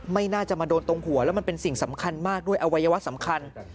ไม่น่าจะมาโดนตรงหัวแล้วมันเป็นสิ่งสำคัญมากด้วยอวัยวะสำคัญ